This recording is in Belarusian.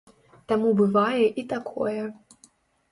Таму бывае і такое.